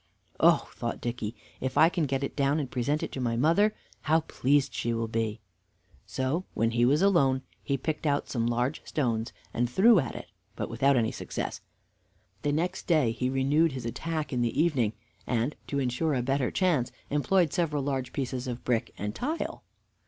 "Oh!" thought Dicky, "if I can get it down and present it to my mother, how pleased she will be!" So, when he was alone, he picked out some large stones and threw at it, but without any success. The next day he renewed his attack in the evening, and to insure a better chance employed several large pieces of brick and tile.